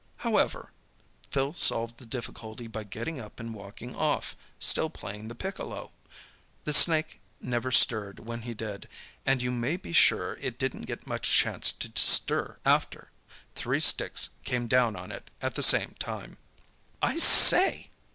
However, Phil solved the difficulty by getting up and walking off, still playing the piccolo. The snake never stirred when he did—and you may be sure it didn't get much chance to stir after. Three sticks came down on it at the same time." "I say!"